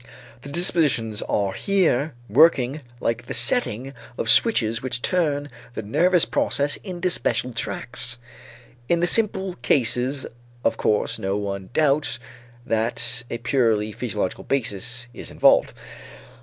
The dispositions are here working like the setting of switches which turn the nervous process into special tracks. In the simple cases, of course no one doubts that a purely physiological basis is involved.